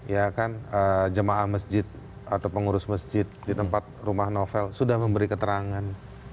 ya kan jemaah masjid atau pengurus masjid di tempat rumah novel sudah memberi keterangan